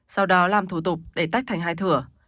sau đó làm thủ tục để tách thành hai thửa